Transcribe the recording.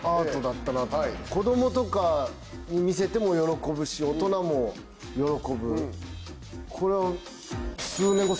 子供とかに見せても喜ぶし大人も喜ぶ。